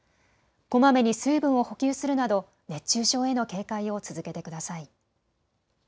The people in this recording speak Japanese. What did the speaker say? こまめに水分を補給するなど熱中症への警戒を続けてください。